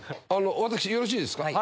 私よろしいですか。